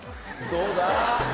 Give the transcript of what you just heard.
どうだ？